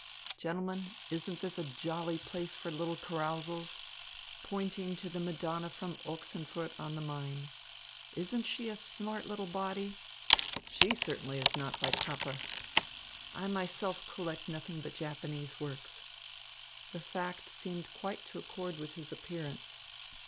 Gentlemen, isn't this a jolly place for little carousals?" Pointing to the Madonna from Ochsenfurt on the Main. "Isn't she a smart little body? She certainly is not by Pappe. I myself collect nothing but Japanese works." The fact seemed quite to accord with his appearance.